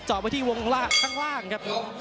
จ๋อไปดิวงฐานไว้ทางล่างครับ